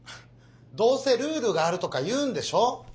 どうせ「ルールがある」とか言うんでしょ？